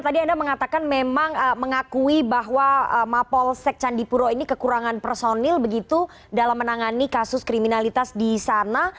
tadi anda mengatakan memang mengakui bahwa mapolsek candipuro ini kekurangan personil begitu dalam menangani kasus kriminalitas di sana